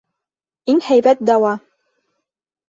Иң һәйбәт дауа.